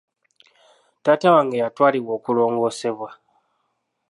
Taata wange yatwalibwa okulongoosebwa.